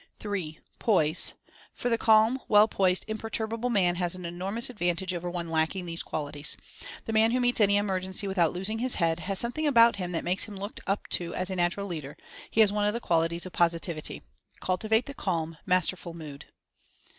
(3) Poise; for the calm, well poised, imperturbable man has an enormous advantage over one lacking these qualities. The man who meets any emergency with out "losing his head" has something about him that makes him looked up to as a natural leader — he has one of the qualities of Positivity. Cultivate the Calm, Masterful mood.